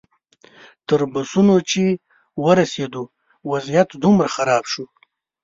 تر بسونو چې ورسېدو وضعیت دومره خراب شو.